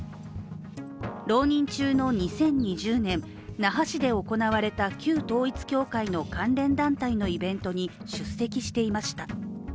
浪人中の２０２０年、那覇市で行われた旧統一教会の関連団体のイベントに出席していました。